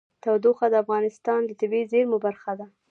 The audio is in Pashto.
تودوخه د افغانستان د طبیعي زیرمو برخه ده.